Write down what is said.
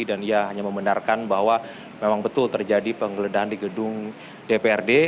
dan dia hanya membenarkan bahwa memang betul terjadi penggeledahan di gedung dprd